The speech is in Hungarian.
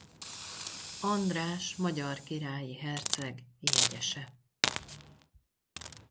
András magyar királyi herceg jegyese.